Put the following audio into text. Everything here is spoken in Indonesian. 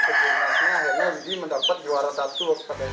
akhirnya jadi mendapat juara satu